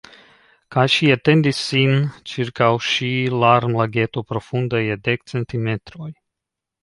Kaj ŝi etendis sin ĉirkaŭ ŝi larmlageto profunda je dek centimetroj.